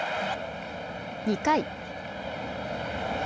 ２回。